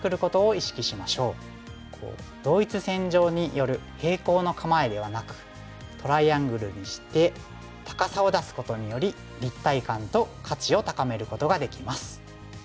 同一線上による平行の構えではなくトライアングルにして高さを出すことにより立体感と価値を高めることができます。